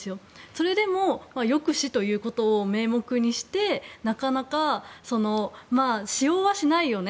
それでも抑止ということを名目にして使用はしないよね。